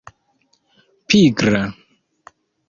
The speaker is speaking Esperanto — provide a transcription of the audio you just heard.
pigra